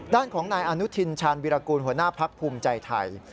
ด้านของนายอนุทินชาญวิรากูลหัวหน้าพักภูมิใจไทย